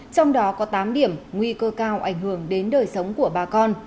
trong đó có tám điểm nguy cơ cao ảnh hưởng đến đời sống của bà con